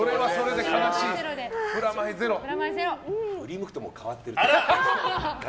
振り向くともう変わってる。